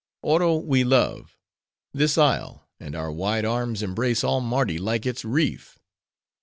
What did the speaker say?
Oro we love; this isle; and our wide arms embrace all Mardi like its reef.